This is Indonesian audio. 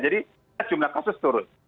jadi jumlah kasus turun